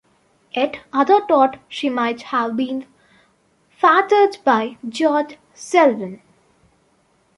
Yet others thought she might have been fathered by George Selwyn.